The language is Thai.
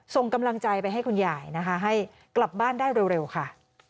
ส่งกำลังใจไปให้คุณยายนะคะให้กลับบ้านได้เร็วค่ะ